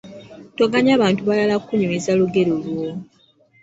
Toganya bantu balala kkunyumiza lugero lwo.